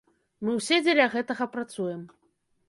Мы ўсе дзеля гэтага працуем.